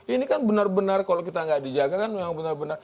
ini kan benar benar kalau kita nggak dijaga kan